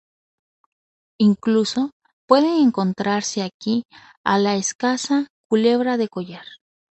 Incluso puede encontrase aquí a la escasa culebra de collar.